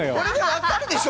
分かるでしょ！